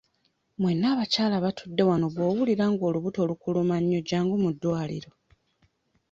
Mwenna abakyala abatudde wano bw'owulira nga olubuto lukuluma nnyo jjangu mu ddwaliro.